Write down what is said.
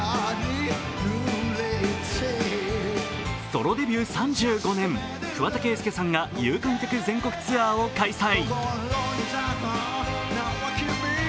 ソロデビュー３５年、桑田佳祐さんが有観客全国ツアーを開催。